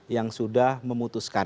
yang sudah memutuskan